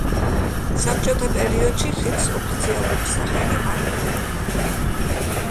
საბჭოთა პერიოდში ხიდს ოფიციალური სახელი არ ჰქონია.